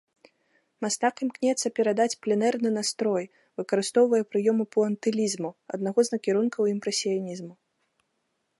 Мастак імкнецца перадаць пленэрны настрой, выкарыстоўвае прыёмы пуантылізму, аднаго з накірункаў імпрэсіянізму.